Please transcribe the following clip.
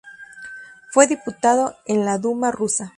Fue diputado en la Duma rusa.